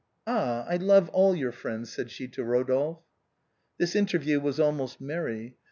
Ah! I love all your friends," said she to Eodolphe. This interview was almost merry.